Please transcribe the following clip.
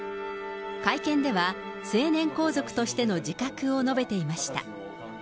会見では、成年皇族としての自覚を述べていました。